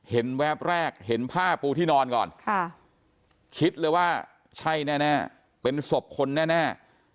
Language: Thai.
แวบแรกเห็นผ้าปูที่นอนก่อนคิดเลยว่าใช่แน่เป็นศพคนแน่